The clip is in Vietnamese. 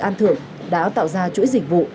an thượng đã tạo ra chuỗi dịch vụ